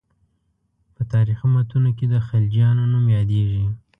په تاریخي متونو کې د خلجیانو نوم یادېږي.